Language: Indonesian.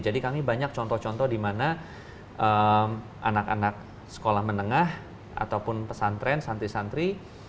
jadi kami banyak contoh contoh di mana anak anak sekolah menengah ataupun pesantren santri santri